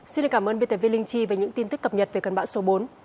xin cảm ơn btv linh chi và những tin tức cập nhật về cơn bão số bốn